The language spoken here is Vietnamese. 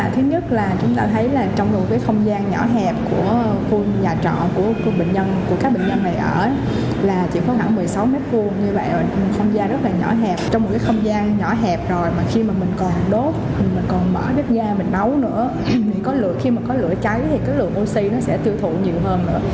khi mà có lửa cháy thì cái lượng oxy nó sẽ tiêu thụ nhiều hơn nữa